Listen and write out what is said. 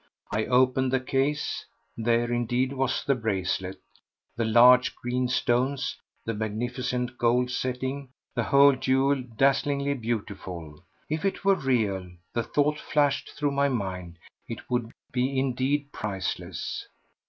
I opened the case. There, indeed, was the bracelet—the large green stones, the magnificent gold setting, the whole jewel dazzlingly beautiful. If it were real—the thought flashed through my mind—it would be indeed priceless.